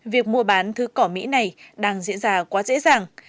việc mua bán thứ cỏ mỹ này đang diễn ra quá dễ dàng